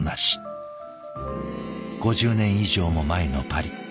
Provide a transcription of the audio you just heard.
５０年以上も前のパリ。